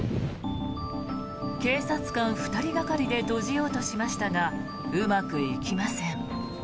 警察官２人がかりで閉じようとしましたがうまくいきません。